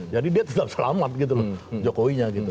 jadi dia tetap selamat gitu loh jokowinya